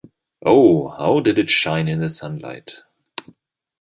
Oh, how it did shine in the sunlight!